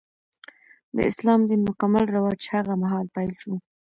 د اسلام دین مکمل رواج هغه مهال پیل شو.